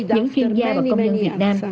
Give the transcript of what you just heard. những chuyên gia và công nhân việt nam